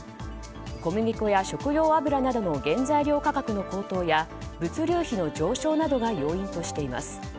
小麦粉や食用油などの原材料価格の高騰や物流費の上昇などが要因としています。